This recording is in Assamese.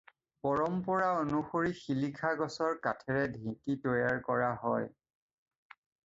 পৰম্পৰা অনুসৰি শিলিখা গছৰ কাঠেৰে ঢেঁকী তৈয়াৰ কৰা হয়।